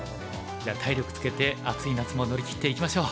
じゃあ体力つけて暑い夏も乗り切っていきましょう！